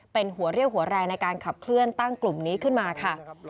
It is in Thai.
เป็นหัวเรี่ยวหัวแรงในการขับเคลื่อนตั้งกลุ่มนี้ขึ้นมาค่ะ